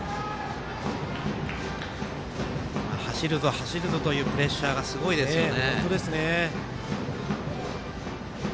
走るぞというプレッシャーがすごいですね。